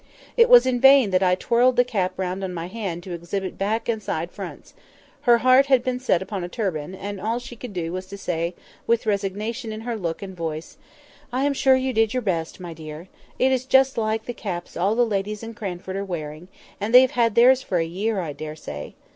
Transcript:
It was in vain that I twirled the cap round on my hand to exhibit back and side fronts: her heart had been set upon a turban, and all she could do was to say, with resignation in her look and voice— "I am sure you did your best, my dear. It is just like the caps all the ladies in Cranford are wearing, and they have had theirs for a year, I dare say.